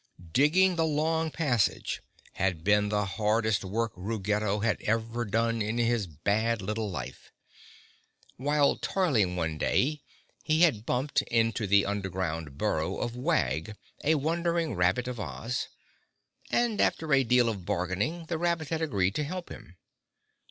Digging the long passage had been the hardest work Ruggedo had ever done in his bad little life. While toiling one day, he had bumped into the underground burrow of Wag, a wandering rabbit of Oz, and after a deal of bargaining, the rabbit had agreed to help him.